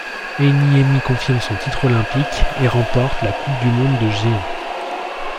Heini Hemmi confirme son titre olympique et remporte la coupe du monde de géant.